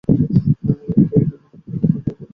এটি আইনের লঙ্ঘন বলেই মনে করি।